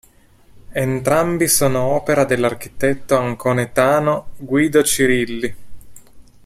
Entrambi sono opera dell'architetto anconetano Guido Cirilli.